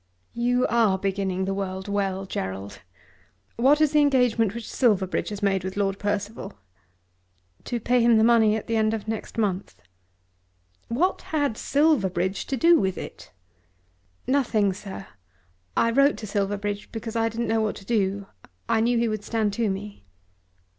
"You are beginning the world well, Gerald! What is the engagement which Silverbridge has made with Lord Percival?" "To pay him the money at the end of next month." "What had Silverbridge to do with it?" "Nothing, sir. I wrote to Silverbridge because I didn't know what to do. I knew he would stand to me."